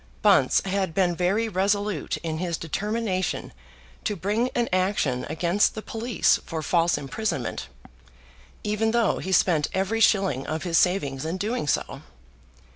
Bunce had been very resolute in his determination to bring an action against the police for false imprisonment, even though he spent every shilling of his savings in doing so.